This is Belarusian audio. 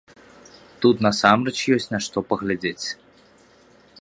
Тут насамрэч ёсць на што паглядзець.